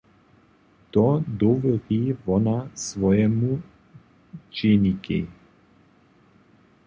To dowěri wona swojemu dźenikej.